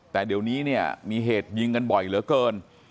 แต่เดี๋ยวนี้เนี่ยมีเหตุยิงกันบ่อยเหลือเกิน